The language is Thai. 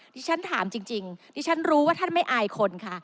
ที่ฉันถามจริงดิฉันรู้ว่าท่านไม่อายคนค่ะ